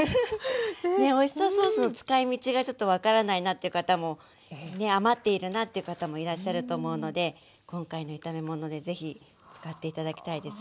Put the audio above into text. ねっオイスターソースの使いみちがちょっと分からないなという方も余っているなという方もいらっしゃると思うので今回の炒め物でぜひ使って頂きたいですね。